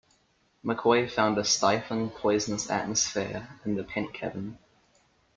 McCoy found a stifling, poisonous atmosphere in the pent cabin.